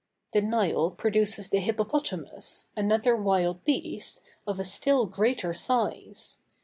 The Nile produces the hippopotamus, another wild beast, of a still greater size.